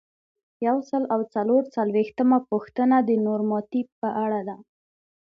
یو سل او څلور څلویښتمه پوښتنه د نورماتیف په اړه ده.